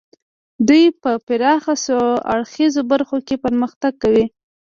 دوی په پراخه څو اړخیزو برخو کې پرمختګ کوي